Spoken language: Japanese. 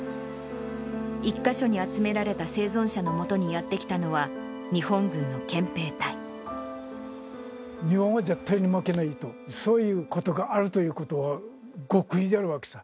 １か所に集められた生存者のもとにやって来たのは、日本軍の憲兵日本は絶対に負けないと、そういうことがあるということは極秘であるわけさ。